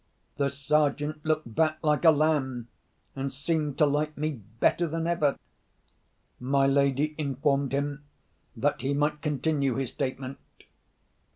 _ The Sergeant looked back like a lamb, and seemed to like me better than ever. My lady informed him that he might continue his statement.